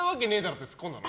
ってツッコんだの。